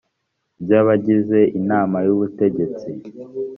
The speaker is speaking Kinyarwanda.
by abagize inama y ubutegetsi